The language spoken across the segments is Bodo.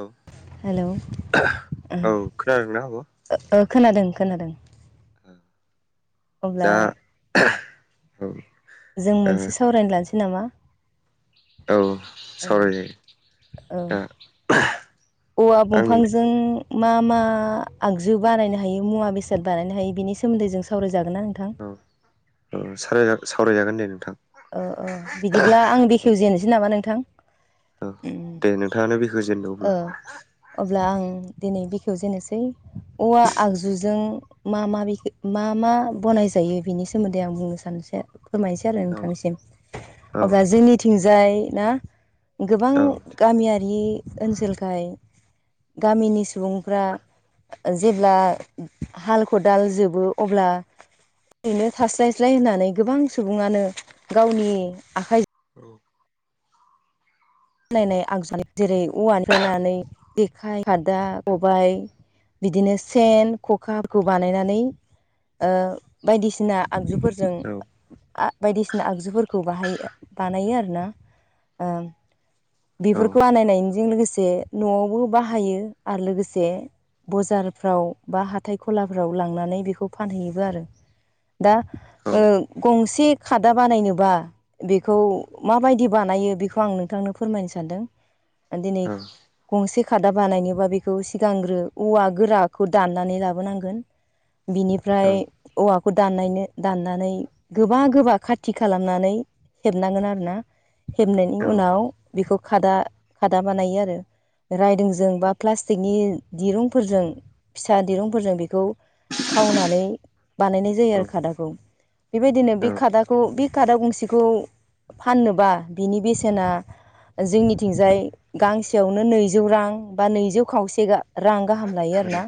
औ हेलौ औ खोनादोंना आब'? ओ खोनादों खोनादों अब्ला दा [unintelligible] जों ओ मोनसे सावरायनो लानोसै नामा? औ औ सावराय जायो औ दा। औवा आं दंफांजों मा मा आगजु बानायनो हायो मुवा बेसाद बानायनो हायो बिनि सोमोन्दै जों सावरायजागोन ना नोंथां? औ सारायजागो-सावरायजागोन दे नोंथां औ अ बिदिब्ला आं बेखेवजेनोसै नामा नोंथां? औ उम दे नोंथाङानो बेखेवजेनदो ओ अब्ला अब्ला आं दिनै बेखेव जेननोसै औवा आगजुजों मा मा बेखो मा मा बनायजायो बिनि सोमोन्दै आं बुंनो सानसै फोरमायनोसै आरो औ थांसिम औ अब्ला जोंनिथिंजाय ना गोबां औ गामियारि ओनसोलखाय गामिनि सुबुंफ्रा जेब्ला हाल खदाल जोबो अब्ला ओरैनो थास्लायस्लाय होननानै गोबां सुबुङानो गावनि आखाइजों औ बनायनाय आगजु जेरै औवानिफ्राय लानानै जेखाइ खादा खबाइ बिदिनो सेन खखाफोरखौ बानायनानै ओ बायदिसिना आगजुफोर जों औ आ बायदिसिना आगजुफोरखौ बाहायो बानायो आरोना ओम बेफोरखौ बानायनायजों लोगोसे न'आवबो बाहायो आरो लोगोसे बजारफ्राव बा हाथाय खलाफ्राव लांनानै बेखौ फानहैयोबो आरो दा औ ओ गंसे खादा बानायनोबा बेखौ माबायदि बानायो बेखौ आं नोंथांनो फोरमायनो सानदों ओ दिनै गंसे खादा बानायनोबा बेखौ सिगांग्रो औवा गोराखौ दाननानै लाबोनांगोन। बिनिफ्राय औवाखौ दाननायनो दाननानै गोबा गोबा खाथि खालामनानै हेबनांगोन आरोना हेबनायनि उनाव बेखौ खादा खादा बानायो आरो रायदोंजों बा प्लास्टिकनि दिरुंफोरजों फिसा दिरुंफोरजों बेखौ खावनानै बानायनाय जायो आरो खादाखौ बेबायदिनो बे खादाखौ बे खादा गंसेखौ फाननोबा बिनि बेसेना ओ जोंनिथिंजाय गांसेयावनो नैजौ रां बा नैजौ खावसे रां गाहाम लायो आरोना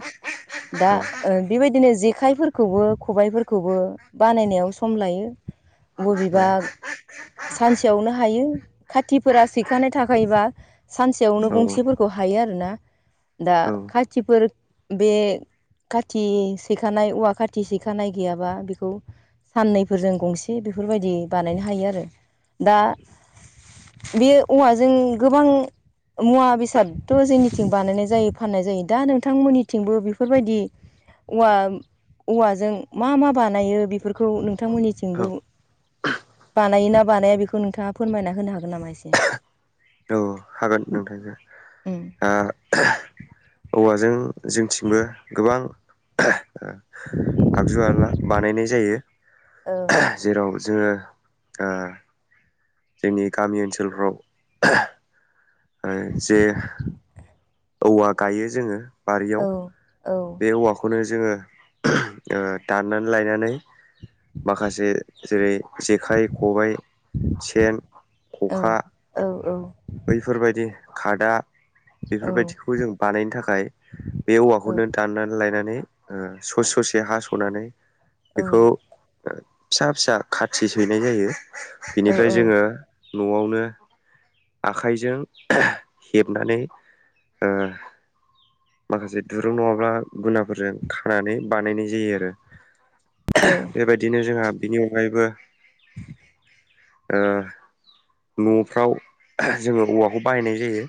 दा ओ बेबायदिनो जेखाइफोरखौबो खबाइफोरखौबो बानायनायाव सम लायो बबेबा सानसेयावनो हायो खाथि फोरा सैखानाय थाखायोबा सानसेयावनो गंसेफोरखौ हायो आरोना दा खाथिफोर बे खाथि सैखानाय औवा खाथि सैखानाय गैयाबा बेखौ साननैफोरजों गंसे बेफोरबायदि बानायनो हायो आरो दा बे औवाजों गोबां मुवा बेसादथ' जोंनिथिं बानायनाय जायो फाननाय जायो दा नोंथांमोननिथिंबो बेफोरबायदि औव औवाजों मा मा बानायो बेफोरखौ नोंथांमोननि थिंबो बानायोना बानाया बेखौ नोंथाङा फोरमायना होनो हागोन नामा एसे हागोन नोंथांजों उम ओ औवाजों जोंथिंबो गोबां आगजु आला बानायनाय जायो औ जेराव जोङो ओ जोंनि गामि ओनसोलफ्राव जे औवा गायो जोङो औ बारियाव औ बे औवाखौनो जोङो दाननानै लायनानै माखासे जेरै जेखाइ खबाय सेन औ खखा औ औ बैफोरबायदि खादा औ बेफोर बायदिखौबो जों बानायनो थाखाय बे औ औवाखौनो दाननानै लायनानै ओ ससे ससे हास'नानै औ बेखौ ओ फिसा फिसा खाथि सैनाय जायो बिनिफ्राय जोङो न'आवनो आखाइजों हेबनानै ओ माखासे दिरुं नङाब्ला गुनाफोरजों खानानै बानायनाय जायो आरो बेबायदिनो जोंहा बिनि अनगायैबो न'फ्राव जोङो औवाखौ बाहायनाय जायो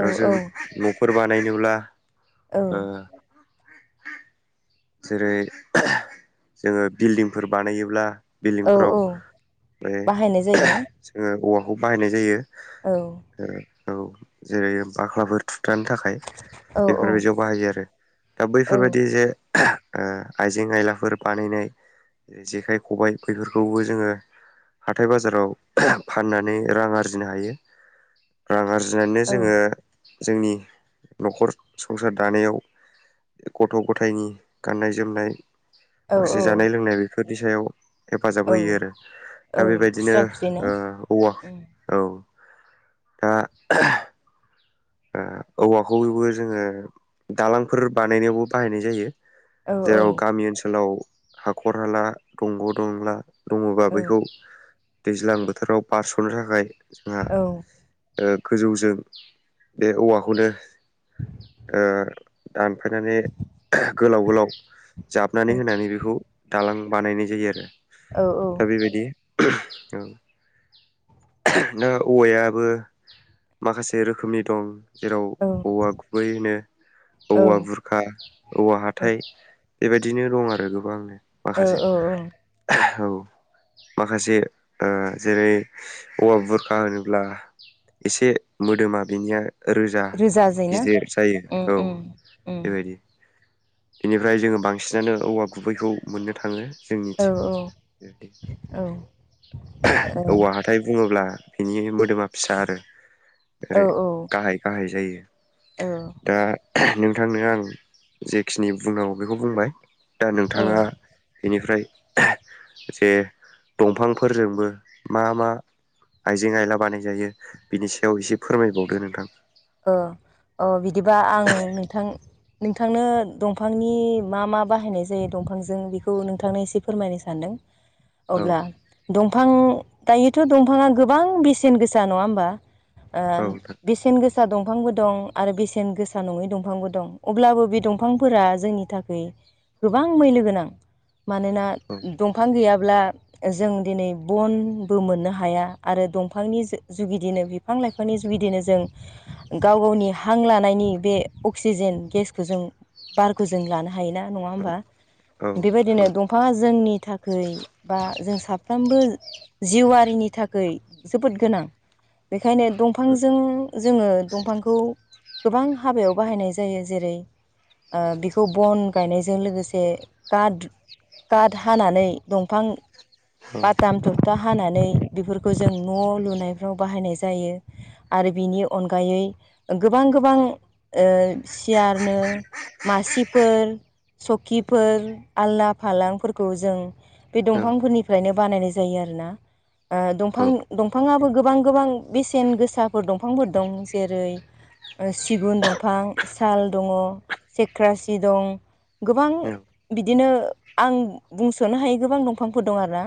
औ जाव जों न'फोर बानायनोब्ला औ ओ जेरै जोङो बिल्डिंफोर बानायोब्ला औ बिल्डिंफोराव औ बे बाहायनाय जायोना जोङो औवाखौ बाहायनाय जायो औ औ जेरै बाख्लाफोर थुथानो थाखाय औ बेफोरबायदियाव बाहायो आरो दा औ बैफोरबायदि जे आइजें आयलाफोर बानायनाय जेखाइ खबबाय बेफोरखौबो जोङो हाथाय बाजाराव फाननानै रां आरजिनो हायो रां आरजिनानैनो औ जोङो जोंनि न'खर संसार दानायाव गथ' गथायनि गाननाय जोमनाय औ माखासे जानाय लोंनाय बेफोरनि सायाव हेफाजाब औ होयो आरो दा औ बेबायदिनो खुस्रा खुस्रि ना औवा उम औ दा औवाखौबो जोङो दालांफोर बानायनायावबो बाहायनाय जायो औ औ जेराव गामि ओनसोलाव हाखर हाला दंग' दंला दङबा औ बेैखौ दैज्लां बोथोराव बारस'नो थाखाय जोंहा औ ओ गोजौजों बे औवाखौनो ओ दानफायनानै गोलाव गोलाव जाबनानै होनानै बेखौ दालां बानायनाय जायो आरो औ औ दा बेबायदि औ दा औवायाबो माखासे रोखोमनि दं जेराव औवा गुबै होनो औवा बुरखा खा औवा हाथाइ बेबायदिनो दं आरो गोबां औ माखासे। औ औ औ माखासे ओ जेरै औवा बुरखा होनोब्ला एसे मोदोमा बिनिया रोजा रोजाजै ना गिदिर जायो उम औ उम उम बेबायदि बेनिफ्राय जोङो बांसिनानो औवा गुबैखौ मोननो थाङो। जों औ मिथिगौ बेबायदि औ औवा हाथाय बुङोब्ला बिनि मोदोमा फिसा आरो ओ औ ओरै गाहाय गाहाय जायो दा नोंथांनो आं जेखिनि बुंनांगौ बेखौ बुंबाय दा औ ओ नोंथाङा बेनिफ्राय जे दंफांफोरजोंबो मा मा? आइजें आइला बानायजायो बिनि सायाव एसे फोरमायबावदो नोंथां। अ बिदिबा आं नोंथां नोंथांनो दंफांनि मा मा बाहायनाय जायो दंफांजों बेखौ नोंथांनो एसे फोरमायनो सानदों। [inaudible] अब्ला दंफां दायोथ' दंफाङा गोबां बेसेन गोसा नङा होमबा? ओ औ नोंथां बेसेन गोसा गोसा दंफांबो दं आरो बेसेन गोसा नङै दंफांबो दं अब्लाबो बे दंफांफोरा जोंनि थाखाय गोबां मैल गोनां मानोना औ दंफां गैयाब्ला जों दिनै बनबो मोननो हाया आरो दंफांनि जुदिनो बिफां लाइफांनि जुगिदिनो जों गाव गावनि हां लानायनि बे अक्सिजेन गेसखौ जों बारखौ जों लानो हायोना नङा औ होमबा? नंगौ औ बेबायदिनो दंफाङा जोंनि थाखै बा जों साफ्रोमबो जिउआरिनि थाखाय जोबोद गोनां बेखायनो दंफांजों जोङो दंफांखौ गोबां हाबायाव बाहायनाय जायो जेरै ओ बेखौ बन गायनायजों लोगोसे कात गाड हानानै दंफां बादाम थबथा हानानै बेफोरखौ जों न' लुनायफ्राव बाहायनाय जायो। आरो बिनि अनगायै गोबां गोबां सियारनो मासिफोर सखिफोर आलद फालांफोरखौ जों बे दंफांफोरनिफ्रायनो बानायनाय जायो आरोना। ओ दंफां दंफाङाबो गोबां गोबां बेसेन गोसाफोर दंफांफोर दं जेरै सिगुन दंफां साल दङ सेख्रासि दं। गोबां बिदिनो आं बुंस'नो हायि गोबां दंफांफोर दं आरो ना।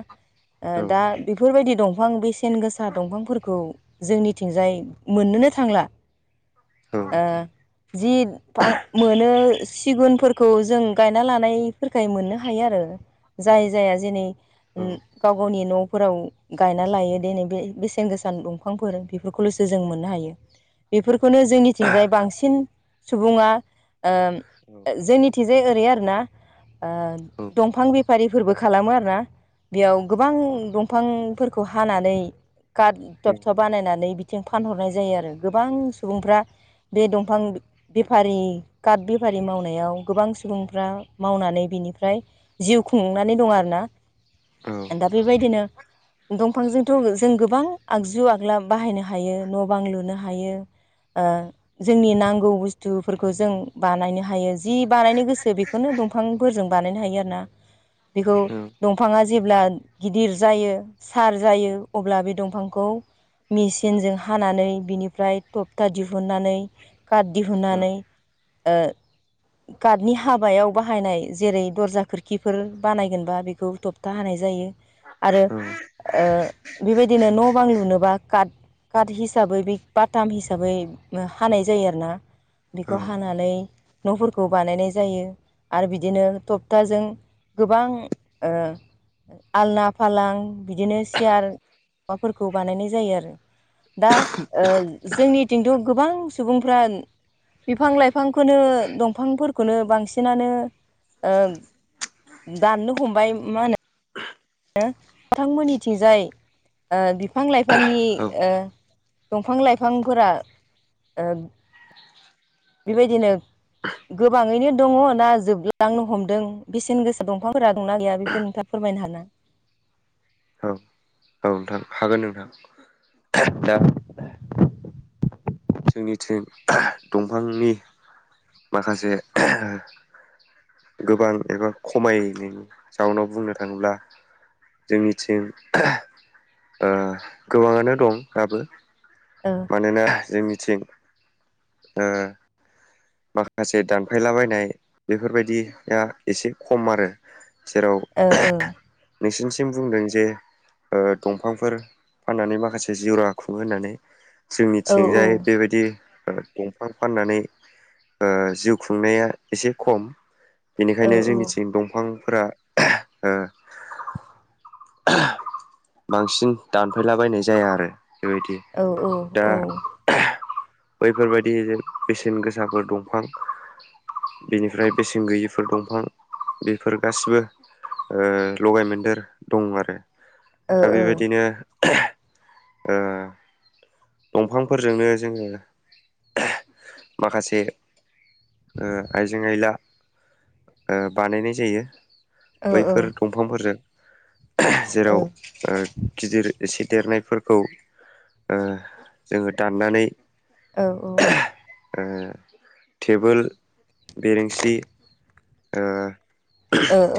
दा औ बेफोरबायदि दंफां बेसेन गोसा दंफांफोरखौ जोंनिथिंजाय मोननोनो थांला ओ जि मोनो सिगुनफोरखौ जों गायना लानायफोरखाय मोननो हायो आरो। जाय जाया जेनै गाव गावनि न'फोराव गायना लायो दिनै बे बेसेन गोसा दंफांफोर बेफोरखौल'सो जों मोननो हायो। बेफोरखौनो जोंनिथिंजाय बांसिन सुबुङा ओ जोंनिथिजाय ओरै आरोना ओ दंफां बेफारिफोरबो खालामो आर ना। बेयाव गोबां दंफांफोरखौ हानानै गादथब थाब बानायनानै थिं फानहरनाय जायो आरो गोबां सुबुंफ्रा बे दंफां बेफारि काट बेफारि मावनायाव गोबां सुबुंफ्रा मावनानै बिनिफ्राय जिउ खुंनानै दं आरो ना। दा बेबायदिनो दंफांजोंथ' जों गोबां आगजु आग्ला बाहायनाय हायो न' बां लुनो हायो ओ जोंनि नांगौ बुस्थुफोरखौ जों बानायनो हायो जि बानायनो गोसो बेखौ बेखौनो दंफांफोरजों बानायनो हायो आरो ना बेखौ दंफाङा जेब्ला गिदिर जायो सार जायो अब्ला बे दंफांखौ मिसि सेनजों हानानै बिनिफ्राय थपथा दिहुननानै काट दिहुननानै ओ गार्टनि हाबायाव बाहायनाय जेरै दरजा खोरखिफोर बानायगोनबा बेखौ थबथा हानाय जायो आरो बेबायदिनो न' बां लुनोबा काट काट हिसाबै बे बाटाम हिसाबै हानाय जायो आरोना बेखौ हानानै न'फोरखौ बानायनाय जायो आरो बिदिनो थपथाजों गोबां ओ आलना फालां बिदिनो सियार माबाफोरखौ बानायनाय जायो आरो दा जोंनिथिंथ' गोबां सुबुंफ्रा बिफां लाइफांखौनो दंफांफोरखौनो बांसिनानो दाननो हमबाय मा होनो बिथांमोननिथिंजाय बिफां लाइफांनि औ औ दंफां लाइफांफोरा ओ बेबायदिनो गोबाङैनो दङ ना जोबलांनो हमदों बेसेन गोसा दंफांफोरा दंना गैया बेखौ नोंथां फोरमायनो हागोन औ नोंथां हागोन नोंथां दा जोंनिथिं दंफांनि माखासे गोबां एबा खमायनायनि जाउनाव बुंनो थाङोब्ला जोंनिथिं गोबाङानो दं दाबो औ मानोना जोंनिथिं ओ माखासे दानफायलाबायनाय बेफोरबायदिया एसे खम आरो जेराव ओ ओ नोंसिनिथिं बुंदों जे दंफांफोर फाननानै माखासे जिउ राहा खुङो होननानै ओ जोंनिथिंजाय बेबायदि दंफां फाननानै जिउ खुंनाया एसे खम औ बेनिखायनो जोंनिथिं दंफांफोरा बांसिन दानफायलाबायनाय जाया आरो बेबायदि औ दा औ बैफोरबायदि जे बेसेन गोसाफोर दं दंफां बेनिफ्राय बेसेन गैयिफोर दंफां बेफोर गासिबो लगायमोन्देर दं आरो दा बेबायदिनो ओ दंफांफोरजोंनो जोङो माखासे आइजें आयला बानायनाय जायो औ ओ औ ओ बैफोर दंफांफोरजों जेराव गिदिर एसे देरनायफोरखौ जोङो दाननानै औ औ [unintelligible] टेबोल बेरेंसि ओ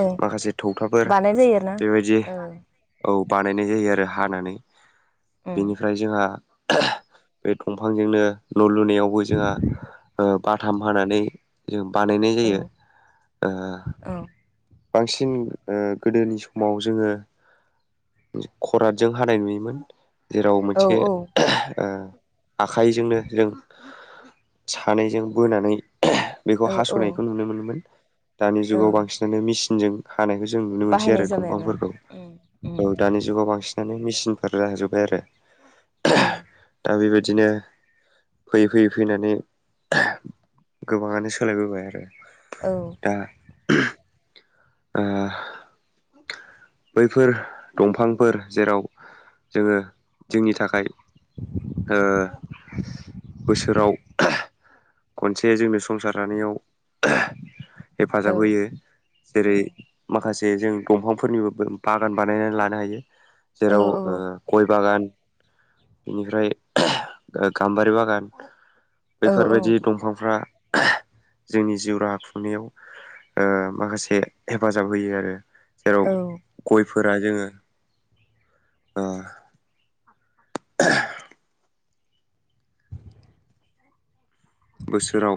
औ माखासे थौथाफोर बानाय जायो आरोना बेबायदि ओ औ बानायनाय जायो आरो हानानै उम बेनिफ्राय जोंहा बे दंफांजोंनो न' लुनायावबो जोंहा ओ बाथाम हानानै जों बानायनाय औ जायो औ बांसिन ओ गोदोनि समाव जोङो खरादजों हानाय नुयोमोन जेराव औ मोनसे ओ आखाइजोंनो जों सानैजों बोनानै [unintelligible] बेखौ औ औ हास'नायखौ नुनो मोनबाय दानि औ जुगाव बांसिनानो मिसिनजों हानायखौ जों नुनो मोनसै बाहायनाय आरो जाबाय आरोना दंफांफोरखौ। उम उम औ दानि जुगाव बांसिनानो मिसिनफोर हाजोबबाय आरो। औ। दा बेबायदिनो फैयै फैयै फैनानै गोबाङानो सोलायबोबाय आरो। औ। दा ओ बैफोर दंफांफोर जेराव जोङो जोंनि थाखाय ओ बोसोराव खनसे जोंनो संसार जानायाव हेफाजाब औ होयो जेरै माखासे जों दंफांफोरनिबो बागान बानायनानै लानो हायो। जेराव औ ओ गय बागान इनिफ्राय ओ गाम्बारि बागान। औ बेफोरबायदि दंफांफ्रा जोंनि जिउ राहा खुंनायाव ओ माखासे हेफाजाब होयो आरो। जेराव औ औ गयफोरा जोङो ओ [unintelligible] बोसोराव